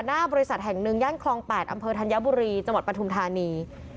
หน้าบริษัทแห่งหนึ่งย่านคลอง๘อำเภอธัญบุรีจังหวัดปฐุมธานี